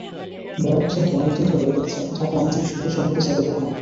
বেলাল হোসেনকে অনেক দিন ধরে দেখছেন ঢাকা আইনজীবী সমিতির সভাপতি সাইদুর রহমান।